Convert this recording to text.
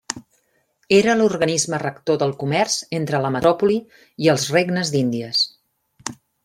Era l'organisme rector del comerç entre la metròpoli i els Regnes d'Índies.